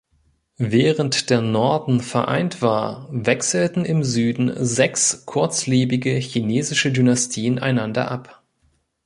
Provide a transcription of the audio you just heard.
Während der Norden vereint war, wechselten im Süden sechs kurzlebige, chinesische Dynastien einander ab.